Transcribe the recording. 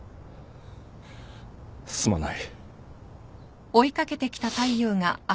すまない。